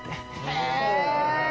へえ！